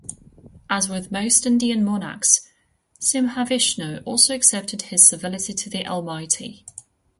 As with most Indian monarchs, Simhavishnu also accepted his servility to the Almighty.